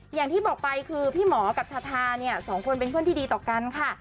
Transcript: อย่างที่บอกไปคือพี่หมอกับทาทาเนี่ยสองคนเป็นเพื่อนที่ดีต่อกันค่ะ